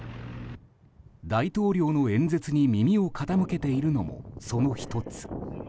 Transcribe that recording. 大統領の演説に耳を傾けているのも、その１つ。